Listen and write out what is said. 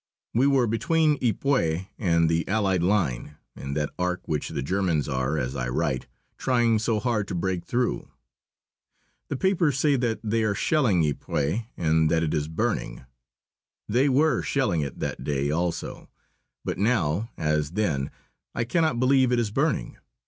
We were between Ypres and the Allied line, in that arc which the Germans are, as I write, trying so hard to break through. The papers say that they are shelling Ypres and that it is burning. They were shelling it that day also. But now, as then, I cannot believe it is burning.